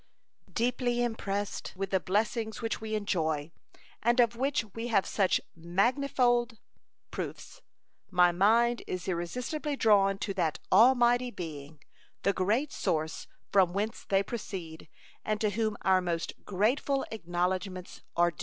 Deeply impressed with the blessings which we enjoy, and of which we have such manifold proofs, my mind is irresistibly drawn to that Almighty Being, the great source from whence they proceed and to whom our most grateful acknowledgments are due.